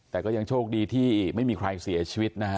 แต่ก็ยังโชคดีที่ไม่มีใครเสียชีวิตนะฮะ